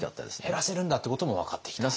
減らせるんだということも分かってきた。